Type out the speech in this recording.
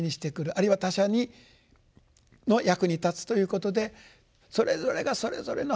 あるいは他者の役に立つということでそれぞれがそれぞれの働き